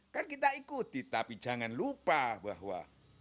kan kita ikuti tapi jangan lupa bahwa